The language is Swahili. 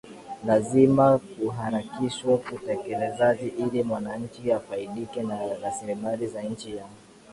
Lazima kuharakishwe utekelezaji ili wananchi wafaidike na rasilimali za nchi yao